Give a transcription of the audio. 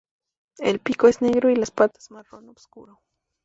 El pico es negro y las patas marrón oscuro.